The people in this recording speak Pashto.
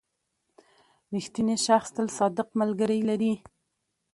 • رښتینی شخص تل صادق ملګري لري.